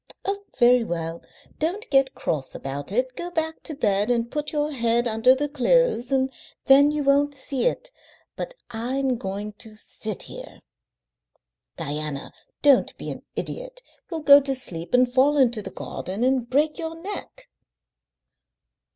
"Oh, very well. Don't get cross about it. Go back to bed and put your head under the clothes, and then you won't see it. But I'm going to sit here." "Diana, don't be an idiot! You'll go to sleep and fall into the garden and break your neck."